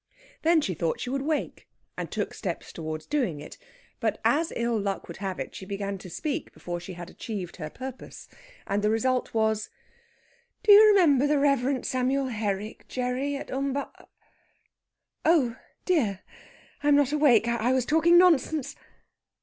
Then she thought she would wake, and took steps towards doing it; but, as ill luck would have it, she began to speak before she had achieved her purpose. And the result was: "Do you remember the Reverend Samuel Herrick, Gerry, at Umb Oh dear! I'm not awake.... I was talking nonsense."